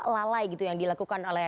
lalai gitu yang dilakukan oleh